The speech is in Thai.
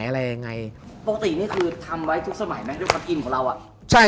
ปกตินี่คือทำไว้ทุกสมัยนะคะด้วยความอินของเรา